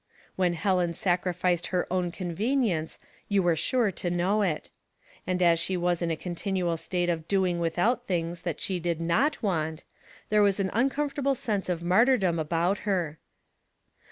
When Helen sacrificed her own convenience you were ''Split Things^ 13 Bure to know it ; and as she was in a continual state of doing without things that she did not v;ant, there was an uncomfortable sense of mar tyrdom about her.